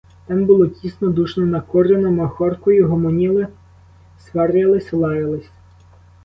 Там було тісно, душно, накурено махоркою, гомоніли, сварились, лаялись.